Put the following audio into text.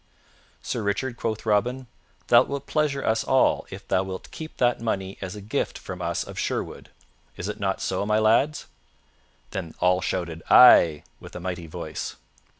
"Sir Richard," quoth Robin, "thou wilt pleasure us all if thou wilt keep that money as a gift from us of Sherwood. Is it not so, my lads?" Then all shouted "Ay" with a mighty voice.